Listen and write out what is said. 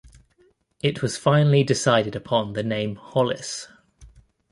It was finally decided upon the name Hollis.